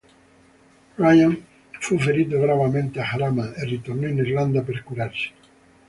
Ryan fu ferito gravemente a Jarama e ritornò in Irlanda per curarsi.